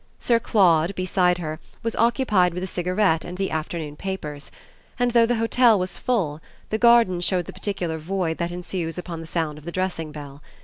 Sir Claude, beside her, was occupied with a cigarette and the afternoon papers; and though the hotel was full the garden shewed the particular void that ensues upon the sound of the dressing bell.